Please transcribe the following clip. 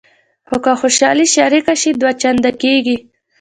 خو که خوشحالي شریکه شي دوه چنده کېږي.